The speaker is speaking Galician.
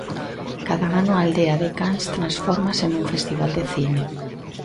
Cada ano a aldea de Cans transfórmase nun festival de cine.